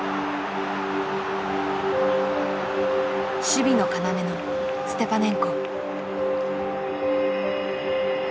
守備の要のステパネンコ。